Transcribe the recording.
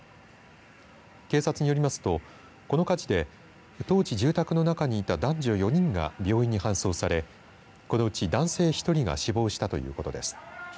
警察によりますとこの火事で当時住宅の中にいた男女４人が病院に搬送されこのうち男性１人が死亡したということです。